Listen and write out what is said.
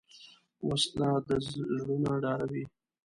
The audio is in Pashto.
وسله زړونه ډاروي